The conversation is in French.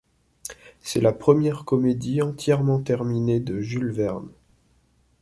C'est la première comédie entièrement terminée de Jules Verne.